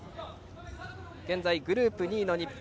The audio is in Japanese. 現在グループ２位の日本。